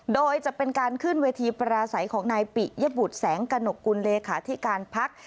โดยจะเป็นการขึ้นเวทีปราศัยของนายปิยบุตรแสงกระหนกกุลเลขาธิการพัก